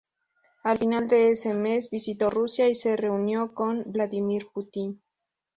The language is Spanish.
Al final de ese mes visitó Rusia y se reunió con Vladímir Putin.